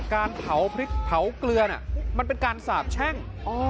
การเผาพริกเผาเกลือมันเป็นการสาบแช่ง